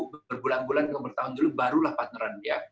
berbulan bulan bertahun bulan dulu barulah partneran